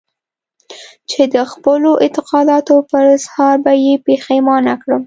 چې د خپلو اعتقاداتو پر اظهار به يې پښېمانه کړم.